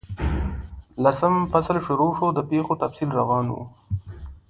لسم فصل شروع شو، د پیښو تفصیل روان وو.